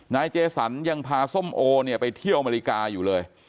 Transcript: นายเจสันยังพาส้มโอเนี่ยไปเที่ยวอเมริกาอยู่เลย